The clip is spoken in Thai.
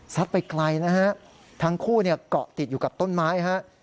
สัดไปไกลนะฮะทั้งคู่เกาะติดอยู่กับต้นไม้